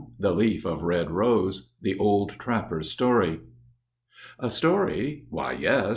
THE LEAF OF RED ROSE: THE OLD TRAPPER'S STORY. A story? Why, yes.